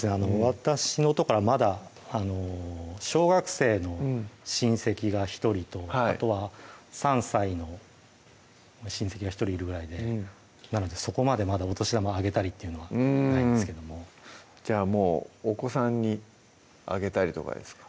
私のとこはまだ小学生の親戚が１人とあとは３歳の親戚が１人いるぐらいでなのでそこまでまだお年玉あげたりっていうのはないんですけどもじゃあもうお子さんにあげたりとかですか？